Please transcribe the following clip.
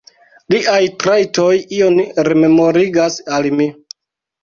Liaj trajtoj ion rememorigas al mi.